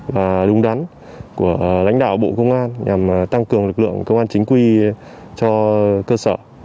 và đúng đắn của lãnh đạo bộ công an nhằm tăng cường lực lượng công an chính quy cho cơ sở